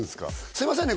すいませんね